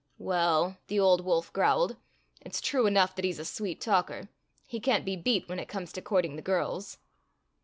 "Well," the old wolf growled, "it's true enough that he's a sweet talker. He can't be beat when it comes to courting the girls."